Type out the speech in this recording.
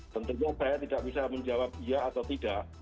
tentunya pak cahyo tidak bisa menjawab iya atau tidak